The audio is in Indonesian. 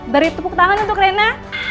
beri tepuk tangan untuk rena